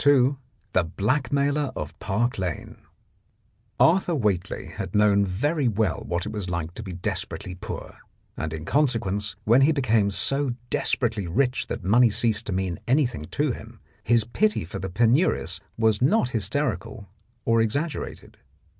24 THE BLACKMAILER OF PARK LANE Arthur Whately had known very well what it was like to be desperately poor, and in consequence, when he became so desperately rich that money ceased to mean anything to him, his pity for the penurious was not hysterical or exaggerated.